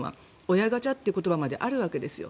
親ガチャという言葉まであるわけですよ。